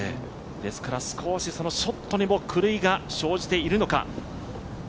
ですから、ショットにも狂いが生じているのか。